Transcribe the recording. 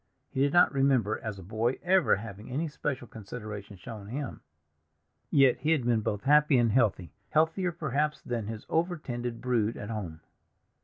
He did not remember, as a boy, ever having any special consideration shown him; yet he had been both happy and healthy, healthier perhaps than his over tended brood at home.